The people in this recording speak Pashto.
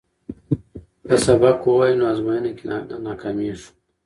که سبق ووایو نو ازموینه کې نه ناکامیږو.